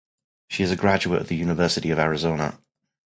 She is a graduate of the University of Arizona.